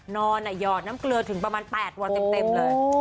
นอนหยอดน้ำเกลือถึงประมาณ๘วันเต็มเลย